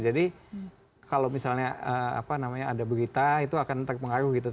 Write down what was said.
jadi kalau misalnya ada berita itu akan terpengaruh gitu